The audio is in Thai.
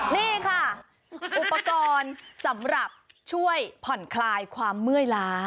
นี่ค่ะอุปกรณ์สำหรับช่วยผ่อนคลายความเมื่อยล้า